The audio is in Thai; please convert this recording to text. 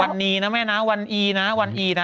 วันนี้นะแม่นะวันอีนะวันอีนะ